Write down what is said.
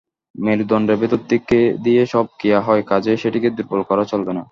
মেরুদণ্ডের ভেতর দিয়েই সব ক্রিয়া হয়, কাজেই সেটিকে দুর্বল করা চলবে না।